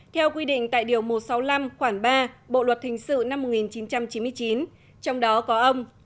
theo quy định tại điều một trăm sáu mươi năm khoảng ba bộ luật hình sự năm một nghìn chín trăm chín mươi chín trong đó có ông